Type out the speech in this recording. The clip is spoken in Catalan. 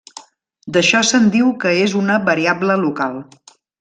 D'això se'n diu que és una variable local.